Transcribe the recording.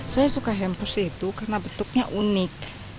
saya suka hampers itu karena bentuknya unik